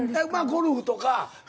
ゴルフとか色々。